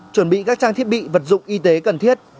chuẩn bị các trang thiết bị vật dụng y tế cần thiết